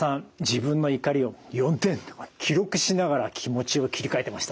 自分の怒りを４点記録しながら気持ちを切り替えてましたね。